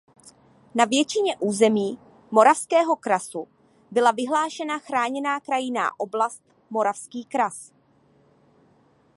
Na většině území Moravského krasu byla vyhlášena Chráněná krajinná oblast Moravský kras.